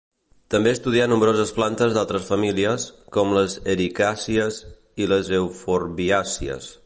També estudià nombroses plantes d'altres famílies, com les ericàcies i les euforbiàcies.